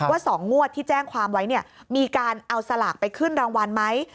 ว่า๒งวดที่แจ้งความไว้เนี่ยมีการเอาสลากไปขึ้นรางวัลไหม